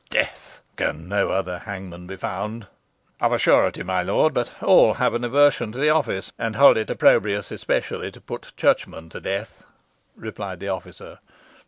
Death! can no other hangmen be found? ha!" "Of a surety, my lord; but all have an aversion to the office, and hold it opprobrious, especially to put churchmen to death," replied the officer.